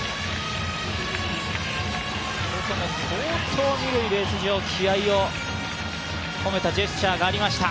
相当に二塁ベース上、気合いを込めたジェスチャーがありました。